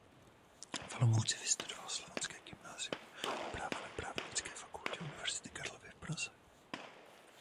V Olomouci vystudoval Slovanské gymnasium a práva na Právnické fakultě Univerzity Karlovy v Praze.